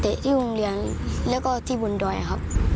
ที่โรงเรียนแล้วก็ที่บนดอยครับ